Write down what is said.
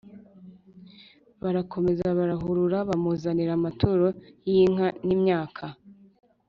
barakomeza barahurura, bamuzanira amaturo y'inka n'imyaka;